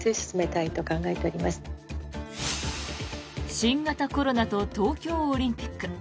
新型コロナと東京オリンピック。